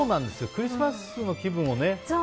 クリスマスの気分をね。